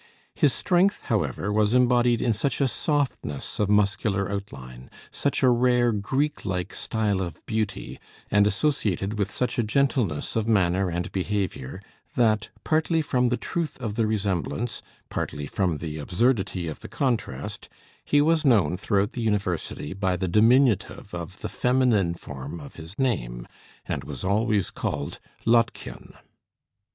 His strength, however, was embodied in such a softness of muscular outline, such a rare Greek like style of beauty, and associated with such a gentleness of manner and behaviour, that, partly from the truth of the resemblance, partly from the absurdity of the contrast, he was known throughout the university by the diminutive of the feminine form of his name, and was always called Lottchen.